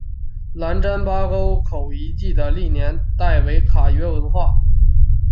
兰占巴沟口遗址的历史年代为卡约文化。